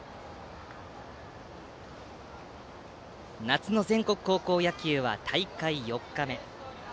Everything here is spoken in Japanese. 夏の全国高校野球は大会４日目。